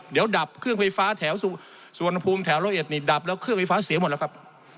เดี๋ยวดับเครื่องไฟฟ้าแถวสุวรรณภูมิแถวร้อยเอ็ดนี่ดับแล้วเครื่องไฟฟ้าเสียหมดแล้วครับ